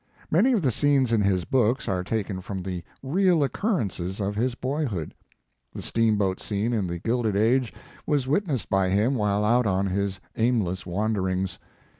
Many of the scenes in his books are taken from the real occurrences of his boyhood. The steamboat scene in "The Gilded Age" was witnessed by him while out on his aimless wanderings.